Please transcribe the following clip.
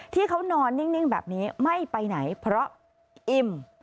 ที่เขานอนนิ่งแบบนี้ไม่ไปไหนเพราะอิ่ม